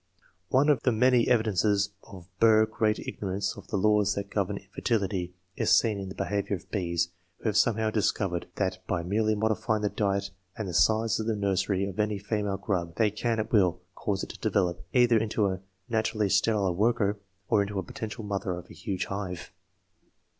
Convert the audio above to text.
One of the many evidences of our great ignorance of the laws that govern fertility, is seen in the behaviour of bees, who have somehow discovered that by merely modifying the diet and the size of the nursery of any female grub, they can at will cause it to develop, either into a naturally sterile worker, or into the potential mother of a huge hive.